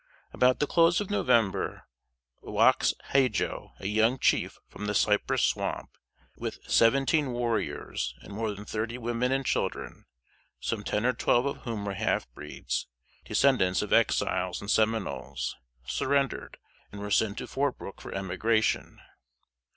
About the close of November, "Waxe Hadjo," a young chief from the Cypress Swamp, with seventeen warriors and more than thirty women and children some ten or twelve of whom were half breeds, descendants of Exiles and Seminoles surrendered, and were sent to Fort Brooke for emigration.